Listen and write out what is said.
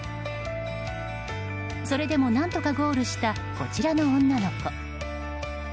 それでも何とかゴールしたこちらの女の子。